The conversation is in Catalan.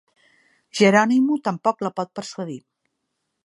Geronimo tampoc la pot persuadir.